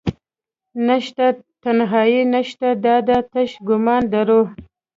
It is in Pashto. نشته تنهایې نشته دادي تش ګمان دروح